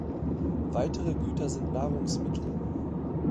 Weitere Güter sind Nahrungsmittel.